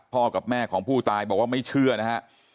กับแม่ของผู้ตายบอกว่าไม่เชื่อนะฮะ